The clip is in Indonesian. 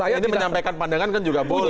ini menyampaikan pandangan kan juga boleh